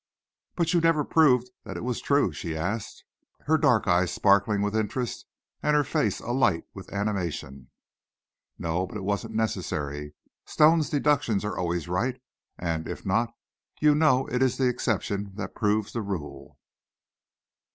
"But you never proved that it was true?" she asked, her dark eyes sparkling with interest, and her face alight with animation. "No, but it wasn't necessary. Stone's deductions are always right, and if not, you know it is the exception that proves the rule."